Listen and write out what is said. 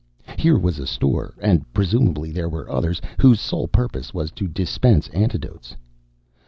Here was a store and presumably there were others whose sole purpose was to dispense antidotes.